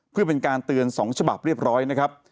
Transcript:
เพื่อเป็นการเตือน๒ฉบับเรียบร้อยนะครับ